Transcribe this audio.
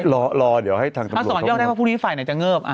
เอาสอนยอกได้เพราะพวกนี้ฝ่ายไหนจะเงิบ